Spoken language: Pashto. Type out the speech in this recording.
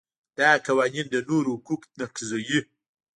دا قوانین د نورو حقوق نقضوي.